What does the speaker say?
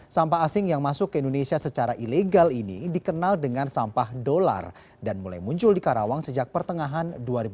sampah asing yang masuk ke indonesia secara ilegal ini dikenal dengan sampah dolar dan mulai muncul di karawang sejak pertengahan dua ribu delapan belas